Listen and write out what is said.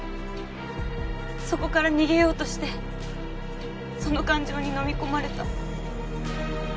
そこから逃げようとしてその感情に飲み込まれた。